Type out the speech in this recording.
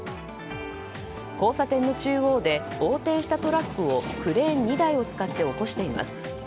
交差点の中央で横転したトラックをクレーン２台を使って起こしています。